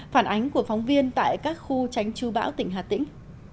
phản ánh của phóng viên tại các khu tránh chú bão tỉnh hà tĩnh